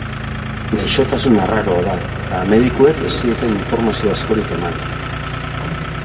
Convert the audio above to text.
Gaixotasun arraroa da eta medikuek ez zieten informazio askorik eman.